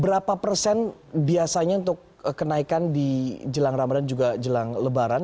berapa persen biasanya untuk kenaikan di jelang ramadan juga jelang lebaran